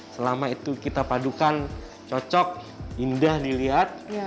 selama itu kita padukan cocok indah dilihat